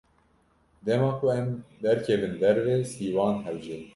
Dema ku em derkevin derve, sîwan hewce ye.